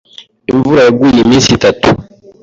Imvura yaguye iminsi itatu.